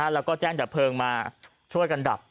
แล้วก็แจ้งดับเพลิงมาช่วยกันดับ